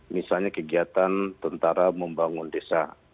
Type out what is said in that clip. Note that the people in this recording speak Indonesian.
misalnya kegiatan tentara membangun desa